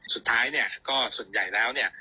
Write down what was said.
สุดท้ายก็ส่วนใหญ่แล้ว